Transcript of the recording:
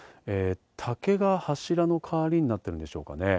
竹が柱の代わりになっているんでしょうかね。